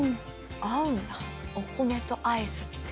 合うな、お米とアイスって。